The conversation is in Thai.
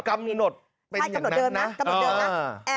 กำหนดเป็นอย่างนั้นนะ